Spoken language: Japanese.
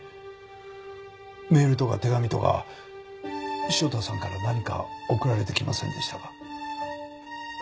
メールとか手紙とか汐田さんから何か送られてきませんでしたか？